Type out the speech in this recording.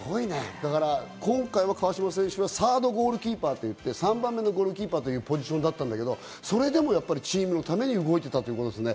今回は川島選手はサードゴールキーパーといって、３番目のゴールキーパーのポジションだったんですけど、でも、チームのために動いていたってことですね。